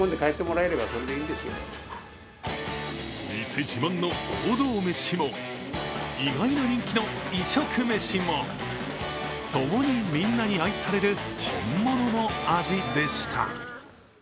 店自慢の王道メシも、意外な人気の異色メシも共に、みんなに愛される本物の味でした。